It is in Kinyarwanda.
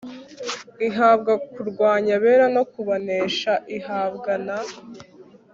ihabwa kurwanya abera no kubanesha ihabwa n